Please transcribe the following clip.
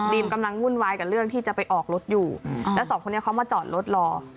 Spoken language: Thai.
กำลังวุ่นวายกับเรื่องที่จะไปออกรถอยู่แล้วสองคนนี้เขามาจอดรถรอ